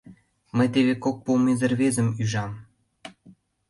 Мый теве кок полмезе рвезым ӱжам.